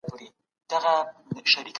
هیوادونه د سیمه ییز امنیت لپاره همکاري کوي.